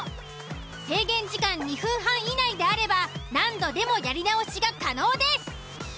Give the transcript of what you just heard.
制限時間２分半以内であれば何度でもやり直しが可能です。